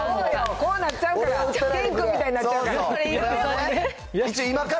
こうなっちゃうから、健君みたいになっちゃうから。